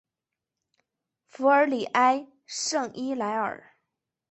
弗尔里埃圣伊莱尔。